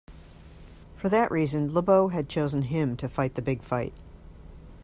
For that reason Le Beau had chosen him to fight the big fight.